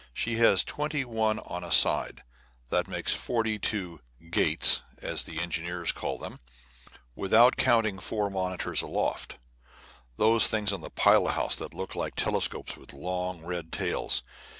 She has twenty one on a side; that makes forty two "gates," as the engineer calls them, without counting four monitors aloft those things on the pilot house that look like telescopes with long red tails.